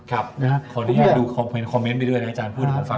ขอร้องดูคอมเม้นท์ไปด้วยครับอาจารย์